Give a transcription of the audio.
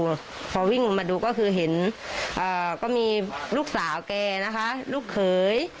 หะพอวิ่งออกมาดูก็เห็นมีลูกสาวแก่นะคะลูกเขย